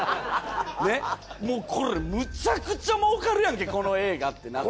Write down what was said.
ねっもうこれむちゃくちゃもうかるやんけこの映画ってなって。